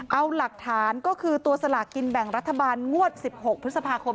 เอาหลักฐานก็คือตัวสลากกินแบ่งรัฐบาลงวด๑๖พฤษภาคม